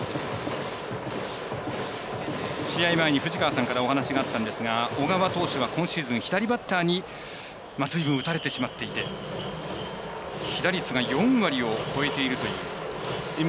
試合前に藤川さんからお話があったんですが小川投手は今シーズン、左バッターにずいぶん打たれてしまっていて被打率が４割を超えているという。